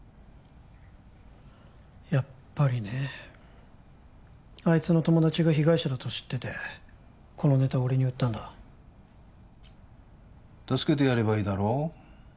やっぱりねあいつの友達が被害者だと知っててこのネタ俺に売ったんだ助けてやればいいだろう